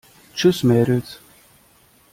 Tschüss, Mädels!